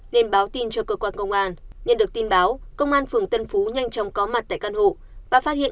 nên báo tin cho cơ quan công an nhận được tin báo công an phường tân phú nhanh chóng có mặt tại căn hộ và phát hiện